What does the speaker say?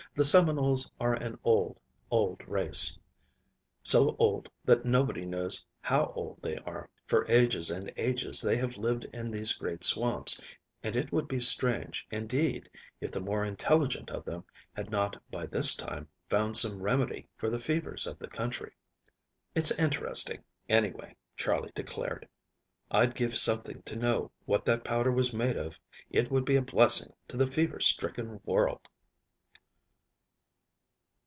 "The Seminoles are an old, old race, so old that nobody knows how old they are. For ages and ages they have lived in these great swamps, and it would be strange, indeed, if the more intelligent of them had not by this time found some remedy for the fevers of the country." "It's interesting, anyway," Charley declared. "I'd give something to know what that powder was made of. It would be a blessing to the fever stricken world."